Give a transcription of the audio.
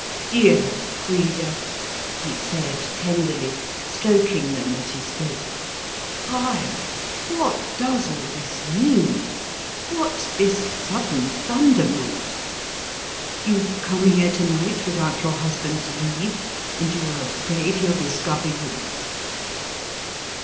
"Dear Frida," he said tenderly, stroking them as he spoke, "why, what does all this mean? What's this sudden thunderbolt? You've come here to night without your husband's leave, and you're afraid he'll discover you?"